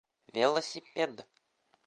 Велосипед!